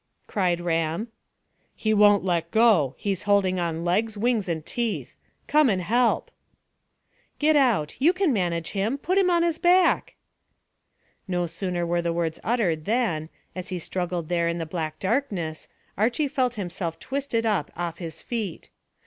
cried Ram. "He won't let go. He's holding on legs, wings and teeth. Come and help." "Get out: you can manage him. Put him on his back." No sooner were the words uttered than, as he struggled there in the black darkness, Archy felt himself twisted up off his feet.